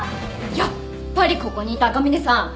やっぱりここにいた赤嶺さん！